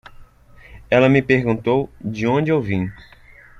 Ela me perguntou de onde eu vim.